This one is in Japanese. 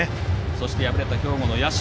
そして敗れた兵庫の社。